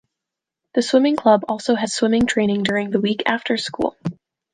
The swimming club also has swimming training during the week after school.